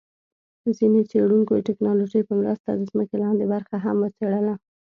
ځیني څېړونکو د ټیکنالوجۍ په مرسته د ځمکي لاندي برخه هم وڅېړله